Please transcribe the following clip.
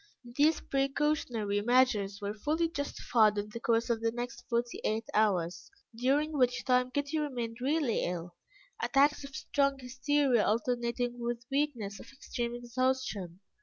These precautionary measures were fully justified in the course of the next forty eight hours, during which time Kitty remained really ill, attacks of strong hysteria alternating with weakness of extreme exhaustion.